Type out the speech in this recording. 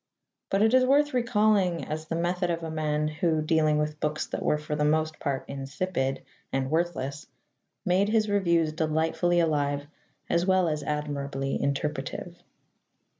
But it is worth recalling as the method of a man who, dealing with books that were for the most part insipid and worthless, made his reviews delightfully alive as well as admirably interpretative.